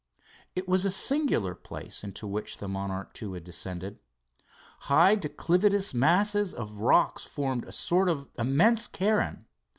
It was a singular place into which the Monarch II had descended. High declivitous, masses of rock formed a sort of immense cairn.